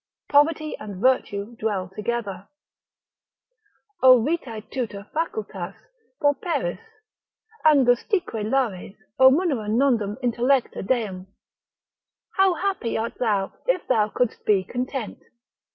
Poverty and Virtue dwell together. ———O vitae tuta facultas Pauperis, angustique lares, o munera nondum Intellecta deum. How happy art thou if thou couldst be content.